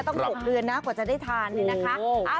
ต้องดูเปลือนนะกว่าจะได้ทานเลยนะคะ